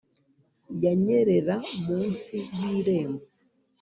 yanyerera munsi y irembo